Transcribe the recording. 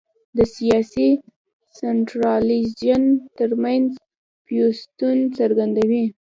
د سیاسي سنټرالیزېشن ترمنځ پیوستون څرګندوي.